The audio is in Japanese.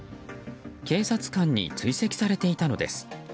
警察官に追跡されていたのです。